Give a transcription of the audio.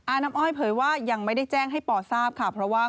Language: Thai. ออ้ายเผยว่ายังไม่ได้แจ้งให้เป่าทที่ทราบค่ะ